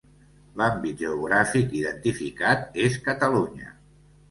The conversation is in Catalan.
L'àmbit geogràfic identificat és Catalunya.